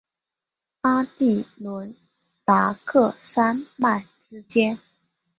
阿第伦达克山脉之间。